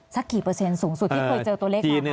สักกี่เปอร์เซ็นต์สูงสุดที่เคยเจอตัวเลขมา